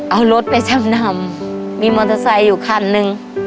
เอารถไปจำนำมีมอเตอร์ไซค์อยู่คันนึง